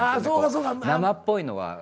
生っぽいのは。